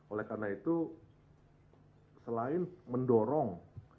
oleh karena itu selain mendorong